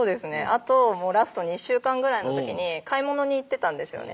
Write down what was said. あとラスト２週間ぐらいの時に買い物に行ってたんですよね